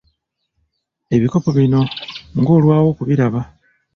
Ebikopo bino ng'olwawo okubiraba.